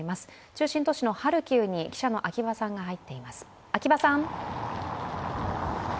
中心都市のハルキウに記者の秋場さんが入っています。